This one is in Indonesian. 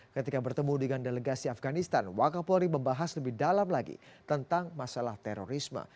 ketika bertemu dengan delegasi afganistan wakil polri membahas lebih dalam lagi tentang masalah terorisme